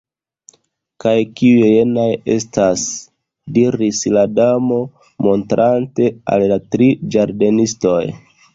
"Kaj kiuj jenaj estas?" diris la Damo, montrante al la tri ĝardenistoj.